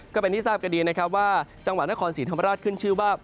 ก็เป็นที่ทราบกันดีนะครับว่าจังหวัดนครศรีธรรมราชขึ้นชื่อว่า